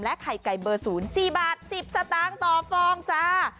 ไข่ไก่เบอร์๐๔บาท๑๐สตางค์ต่อฟองจ้า